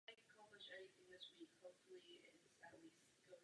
Je nejdelší dálnicí v zemi.